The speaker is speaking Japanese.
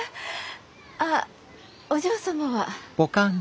あお嬢様は？